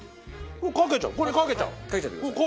あっかけちゃう？